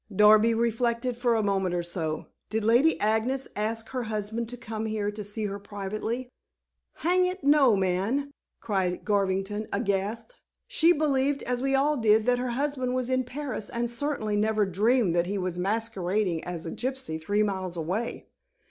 Darby reflected for a moment or so. "Did Lady Agnes ask her husband to come here to see her privately?" "Hang it, no man!" cried Garvington, aghast. "She believed, as we all did, that her husband was in Paris, and certainly never dreamed that he was masquerading as a gypsy three miles away."